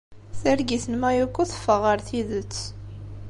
Targit n Mayuko teffeɣ ɣer tidet.